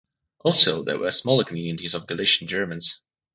Also, there were smaller communities of Galician Germans.